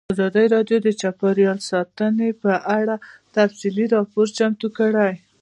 ازادي راډیو د چاپیریال ساتنه په اړه تفصیلي راپور چمتو کړی.